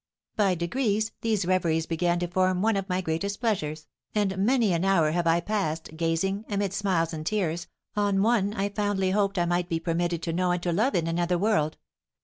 By degrees these reveries began to form one of my greatest pleasures, and many an hour have I passed gazing, amid smiles and tears, on one I fondly hoped I might be permitted to know and to love in another world.